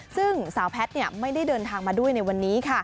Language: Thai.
ซึ่งสาวแพทย์ไม่ได้เดินทางมาด้วยในวันนี้ค่ะ